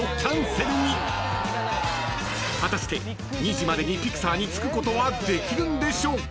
［果たして２時までにピクサーに着くことはできるんでしょうか？］